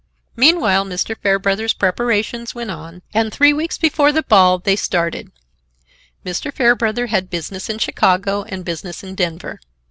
Meanwhile, Mr. Fairbrother's preparations went on and, three weeks before the ball, they started. Mr. Fairbrother had business in Chicago and business in Denver.